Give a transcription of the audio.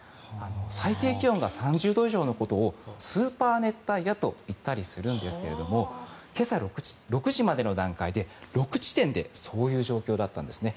最低気温が３０度以上のことをスーパー熱帯夜と言ったりするんですが今朝６時までの段階で、６地点でそういう状況だったんですね。